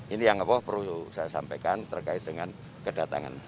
ini yang perlu saya sampaikan terkait dengan kedatangan